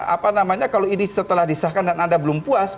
apa namanya kalau ini setelah disahkan dan anda belum puas